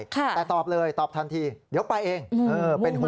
แต่ตอบเลยตอบทันทีเดี๋ยวไปเองเป็นห่วง